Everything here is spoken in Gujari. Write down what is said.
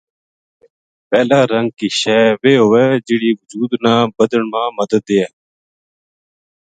پہلا رنگ کی شے ویہ وھے جہڑی وجود نا بدھن ما مدد دیئے